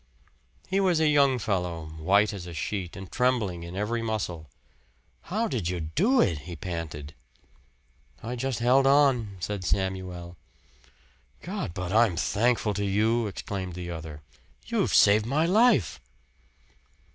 He was a young fellow, white as a sheet and trembling in every muscle. "How did you do it?" he panted. "I just held on," said Samuel. "God, but I'm thankful to you!" exclaimed the other. "You've saved my life!"